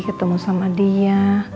ketemu sama dia